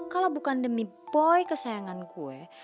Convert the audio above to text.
kalau bukan demi boy kesayangan gue